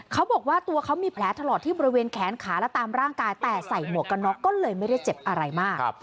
เขาบอกว่าตัวเขามีแผลถลอกที่บริเวณแขนขาและตามร่างกายแต่ใส่หมวกกันน็อกก็เลยไม่ได้เจ็บอะไรมาก